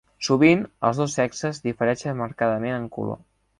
Sovint els dos sexes difereixen marcadament en color.